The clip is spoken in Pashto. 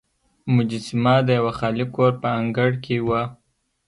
مجسمه د یوه خالي کور په انګړ کې وه.